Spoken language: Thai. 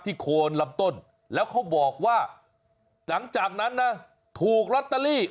โคนลำต้นแล้วเขาบอกว่าหลังจากนั้นนะถูกลอตเตอรี่